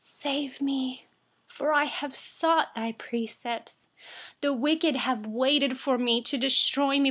Save me, for I have sought your precepts. 95The wicked have waited for me, to destroy me.